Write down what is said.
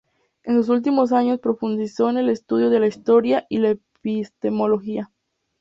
En sus últimos años profundizó en el estudio de la historia y la epistemología.